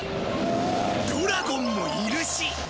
ドラゴンもいるし